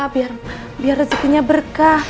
biar rezukunya berkah